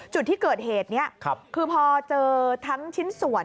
จุดที่เกิดเหตุนี้คือพอเจอทั้งชิ้นส่วน